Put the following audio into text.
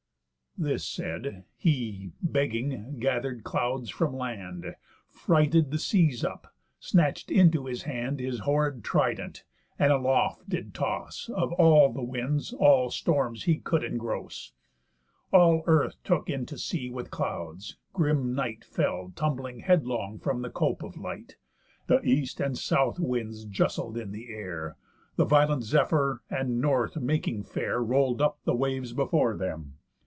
This said; he, begging, gather'd clouds from land, Frighted the seas up, snatch'd into his hand His horrid trident, and aloft did toss, Of all the winds, all storms he could engross, All earth took into sea with clouds, grim Night Fell tumbling headlong from the cope of light, The East and South winds justled in the air, The violent Zephyr, and North making fair, Roll'd up the waves before them.